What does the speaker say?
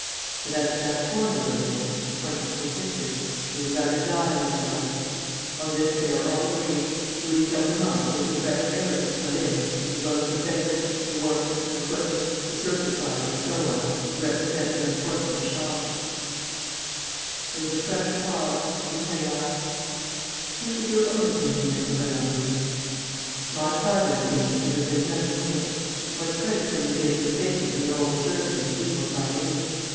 But, as to that corner over there," pointing to the picture, "they would rather die than sell it. On this they are all agreed: Louise d'Ernemont, who is the direct heiress of Pauline, as well as the beggars, the workman, the footman, the circus rider and so on, who represent the unfortunate Charles." There was a fresh pause; and Lupin asked: "What is your own opinion, Maître Valandier?" "My private opinion is that there's nothing in it. What credit can we give to the statements of an old servant enfeebled by age?